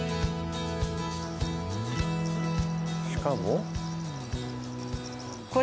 「しかも」？